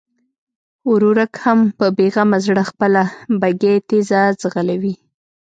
ورورک هم په بېغمه زړه خپله بګۍ تېزه ځغلوي.